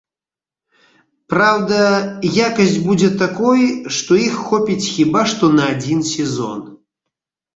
Праўда, якасць будзе такой, што іх хопіць хіба што на адзін сезон.